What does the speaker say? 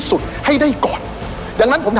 อัศวินตรีอัศวินตรี